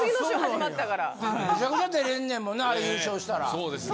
めちゃくちゃ出れんねんもんなあれ優勝したら『ＴＨＥＷ』。